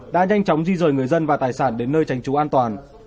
đã nhanh chóng di rời người dân và tài sản đến nơi tránh trú an toàn